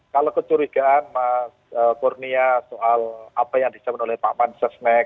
kalau kecurigaan mas kurnia soal apa yang disampaikan oleh pak man sesnek